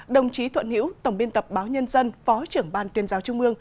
đồng chí thuận hiễu tổng biên tập báo nhân dân phó trưởng ban tuyên giáo trung ương